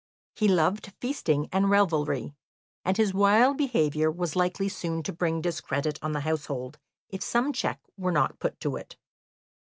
He loved feasting and revelry, and his wild behaviour was likely soon to bring discredit on the household if some check were not put to it.